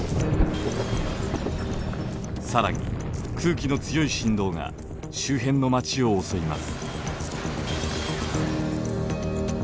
更に空気の強い振動が周辺の街を襲います。